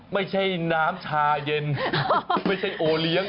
ไม่ใช่น้ำชาเย็นไม่ใช่โอเลี้ยง